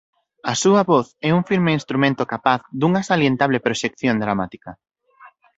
A súa voz é un firme instrumento capaz dunha salientable proxección dramática.